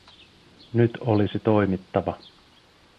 Nyt olisi toimittava.